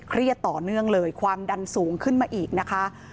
ต่อเนื่องเลยความดันสูงขึ้นมาอีกนะคะ